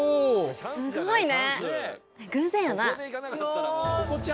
すごいね！